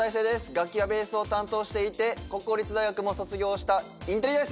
楽器はベースを担当していて国公立大学も卒業したインテリです